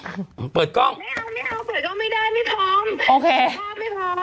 ไม่เอาไม่เอาเปิดกล้องไม่ได้ไม่พร้อมโอเคไม่พร้อมไม่พร้อม